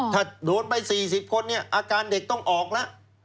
ถ้าโดนไป๔๐คนเนี่ยอาการเด็กต้องออกแล้ว